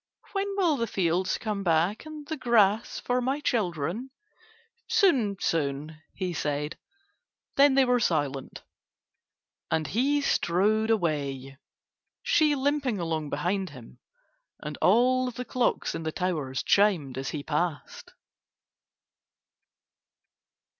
"When will the fields come back and the grass for my children?" "Soon, soon," he said: then they were silent. And he strode away, she limping along behind him, and all the clocks in the towers chimed as he passed.